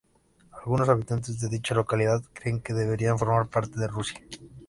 Algunos habitantes de dicha localidad creen que deberían formar parte de Rusia.